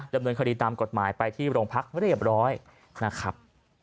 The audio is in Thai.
ดำเนินคดีตามกฎหมายไปที่โรงพักเรียบร้อยนะครับ